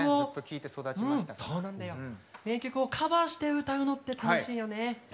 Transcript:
名曲をカバーして歌うのって楽しいよね。